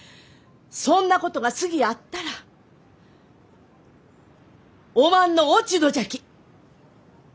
そんなことが次あったらおまんの落ち度じゃき。